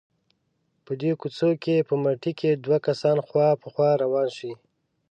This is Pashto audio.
په دې کوڅو کې په مټې که دوه کسان خوا په خوا روان شي.